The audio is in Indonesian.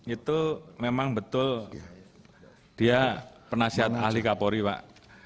itu memang betul dia penasihat ahli kapolri pak